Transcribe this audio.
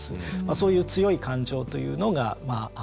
そういう強い感情というのがまあ